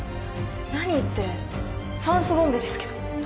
何って酸素ボンベですけど。